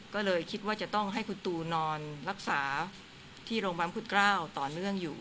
ก็เลยคิดว่าจะต้องให้คุณตูนอนรักษาที่โรงพยาบาลพุทธเกล้าต่อเนื่องอยู่